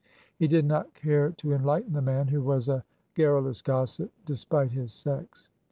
He did not care to enlighten the man, who was a gar rulous gossip, despite his sex.